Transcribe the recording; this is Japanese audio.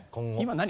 何？